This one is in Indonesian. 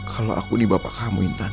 kalo aku di bapak kamu intan